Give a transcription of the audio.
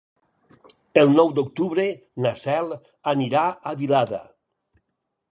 El nou d'octubre na Cel anirà a Vilada.